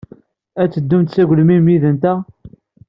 Ad teddumt s agelmim yid-nteɣ?